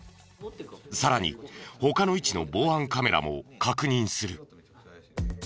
さらに他の位置の防犯カメラも確認する。